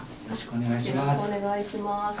よろしくお願いします。